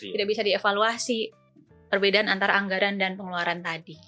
tidak bisa dievaluasi perbedaan antara anggaran dan pengeluaran tadi